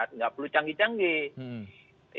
tidak perlu canggih canggih